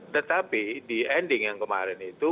tetapi di ending yang kemarin itu